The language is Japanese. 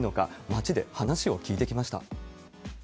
街で話を聞いてきました。